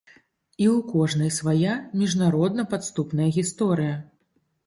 І ў кожнай свая міжнародна-падступная гісторыя.